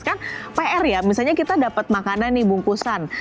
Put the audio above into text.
kan pr ya misalnya kita dapat makanan nih bungkusan